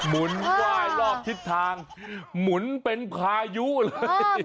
หมุนไหว้รอบทิศทางหมุนเป็นพายุเลย